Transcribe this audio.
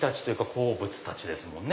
鉱物たちですもんね。